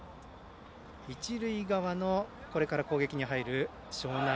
一塁側のこれから攻撃に入る樟南。